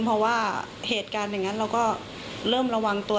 เพราะว่าเหตุการณ์อย่างนั้นเราก็เริ่มระวังตัว